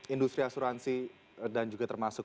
industri asuransi dan juga termasuk